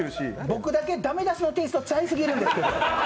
僕だけだめ出しのテイスト違いすぎるんですけど。